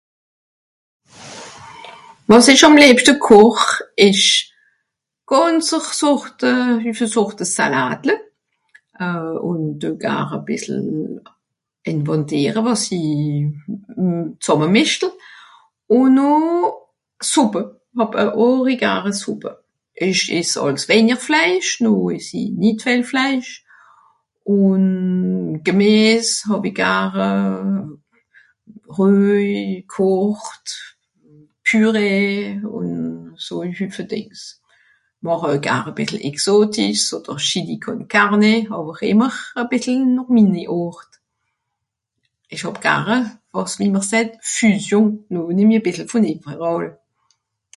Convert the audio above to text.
wàs ìsch àm leebschte Kòch esch gànzer Sòrte hùffe Sòrte Saladle ùn de gaar à bìssel ìnventiere wàs'i zàmmemìschtle ùn nò Sùppe hàb eu hòri garn Sùppe ìsch ess àls wenjer Fleisch nò ess'i nìt veel Fleisch ùn gemeess hàwi gare euh reuj kòcht purée ùn so hùffe Dìngs màche eu gar à bìssle exotisch òder chili con carne àwer ìmmer nòr mìnni òrt ìsch hàb gaare wàs wiem'r seijt Fusion nò nemmi à bìssle vòn ìweràll